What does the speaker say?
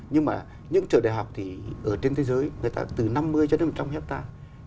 nhưng mà những trường đại học thì ở trên thế giới người ta từ năm mươi cho đến một trăm linh hectare